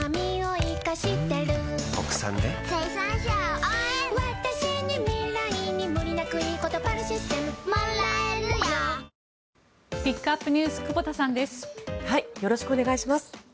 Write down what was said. よろしくお願いします。